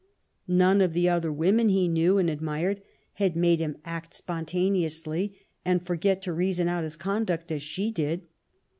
None of the other women he knew and admired had made him act spontaneously and forget to reason out his conduct as she did.